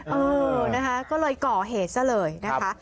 เออนะคะก็เลยก่อเหตุซะเลยนะคะ